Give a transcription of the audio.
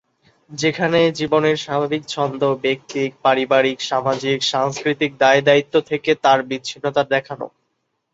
যেখানে জীবনের স্বাভাবিক ছন্দ, ব্যক্তিক-পারিবারিক-সামাজিক-সাংস্কৃতিক দায়-দায়িত্ব থেকে তার বিচ্ছিন্নতা দেখানো।